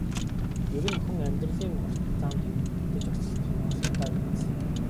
Ер нь хүн амьдралын урт замд эндэж осолдох нь олонтоо биз.